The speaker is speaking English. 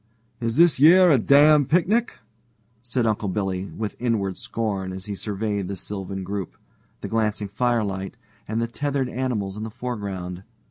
"Is this yer a damned picnic?" said Uncle Billy with inward scorn as he surveyed the sylvan group, the glancing firelight, and the tethered animals in the foreground.